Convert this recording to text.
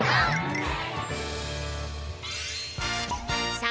さあ